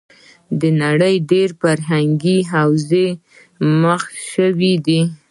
د نړۍ ډېری فرهنګې حوزې مخ شوې وې.